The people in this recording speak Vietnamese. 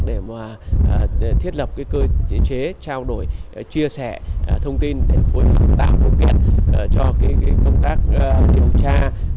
để mà thiết lập cái cơ chế trao đổi chia sẻ thông tin để phối hợp tạo công kiện cho cái công tác điều tra